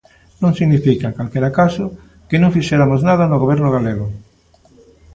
Non significa, en calquera caso, que non fixeramos nada no Goberno galego.